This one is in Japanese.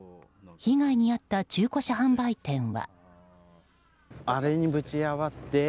被害に遭った中古車販売店は。